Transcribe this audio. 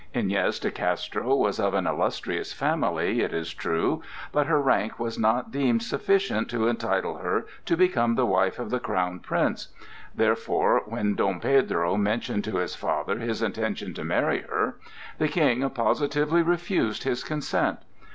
Iñez de Castro was of an illustrious family, it is true, but her rank was not deemed sufficient to entitle her to become the wife of the Crown Prince; therefore when Dom Pedro mentioned to his father his intention to marry her, the King positively refused his consent.